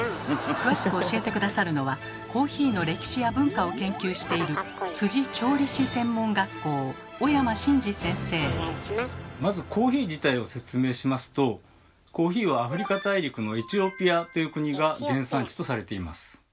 詳しく教えて下さるのはコーヒーの歴史や文化を研究しているまずコーヒー自体を説明しますとコーヒーはアフリカ大陸のエチオピアという国が原産地とされています。